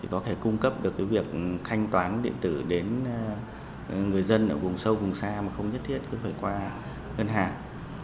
có thể cung cấp được việc thanh toán điện tử đến người dân ở vùng sâu vùng xa mà không nhất thiết cứ phải qua ngân hàng